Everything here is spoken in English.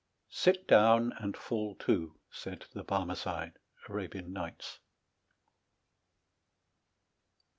"Sit down and fall to, said the Barmecide." Arabian Nights.